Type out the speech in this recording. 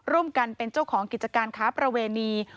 ร่วมกันเป็นเจ้าของกิจการค้าประเวณี